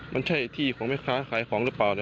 มันใช่ที่ของแม่ค้าขายของหรือเปล่า